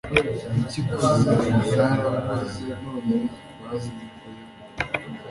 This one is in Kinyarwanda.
impyiko ze zaraboze none bazimukuyemo